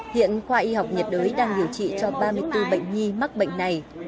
hiện khoa y học nhiệt đới đang điều trị cho ba mươi bốn bệnh nhi mắc bệnh này